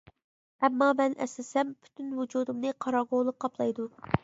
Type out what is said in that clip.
ئەمما مەن ئەسلىسەم پۈتۈن ۋۇجۇدۇمنى قاراڭغۇلۇق قاپلايدۇ.